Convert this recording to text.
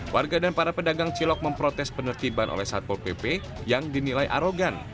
warga dan para pedagang cilok memprotes penertiban oleh satpol pp yang dinilai arogan